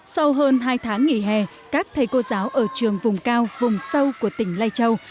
sau hơn hai tháng nghỉ hè các thầy cô giáo ở trường vùng cao vùng sâu của tỉnh lai châu